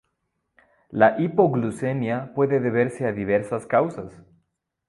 La hipoglucemia puede deberse a diversas causas.